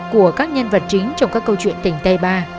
của các nhân vật chính trong các câu chuyện tình tay ba